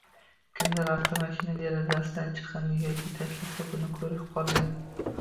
Kimdir avtomashina derazasidan chiqindini yo‘lga tashlasa, buni ko‘rib qolgan